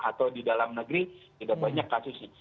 atau di dalam negeri tidak banyak kasusnya